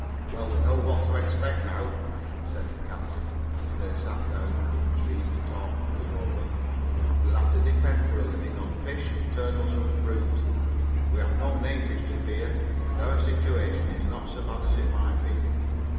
"Well, we know what to expect now," said the Captain, as they sat down under the trees to talk matters over. "We'll have to depend for a living on fish, turtles, and fruit. We have no natives to fear, and our situation is not so bad as it might be.